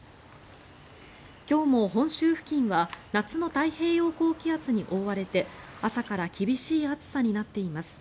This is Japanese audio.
今日も本州付近は夏の太平洋高気圧に覆われて朝から厳しい暑さになっています。